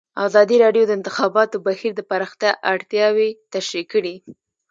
ازادي راډیو د د انتخاباتو بهیر د پراختیا اړتیاوې تشریح کړي.